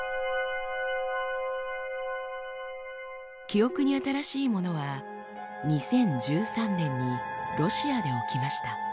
記憶に新しいものは２０１３年にロシアで起きました。